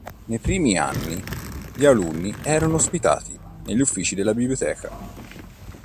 Nei primi anni gli alunni erano ospitati negli uffici della Biblioteca.